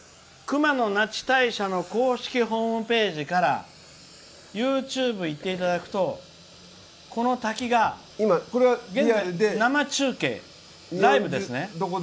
熊野那智大社の公式ホームページからＹｏｕＴｕｂｅ行っていただくとこの滝が生中継、ライブですね。